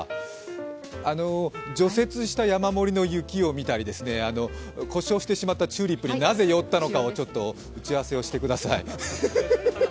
除雪した山盛りの雪を見たりとか、故障してしまったチューリップになぜ寄ったのかを打ち合わせしてください。